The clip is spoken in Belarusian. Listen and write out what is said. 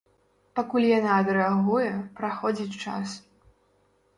Пакуль яна адрэагуе, праходзіць час.